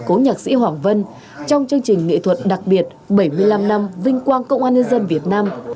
cố nhạc sĩ hoàng vân trong chương trình nghệ thuật đặc biệt bảy mươi năm năm vinh quang công an nhân dân việt nam